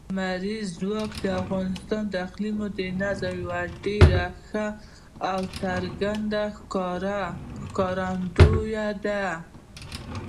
لمریز ځواک د افغانستان د اقلیمي نظام یوه ډېره ښه او څرګنده ښکارندوی ده.